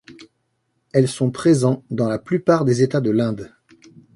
Elles sont présents dans la plupart des États de l'Inde.